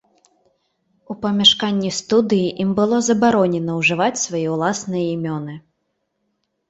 У памяшканні студыі ім было забаронена ўжываць свае ўласныя імёны.